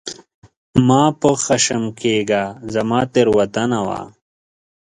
مه په خښم کېږه ، زما تېروتنه وه !